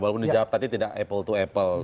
walaupun dijawab tadi tidak apple to apple